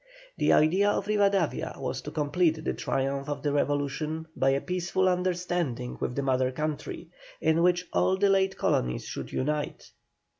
The idea of Rivadavia was to complete the triumph of the revolution by a peaceful understanding with the mother country, in which all the late colonies should unite.